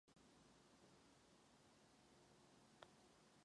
Letectví hraje v rámci tohoto odvětví stále výraznější roli.